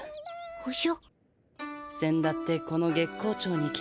おじゃ？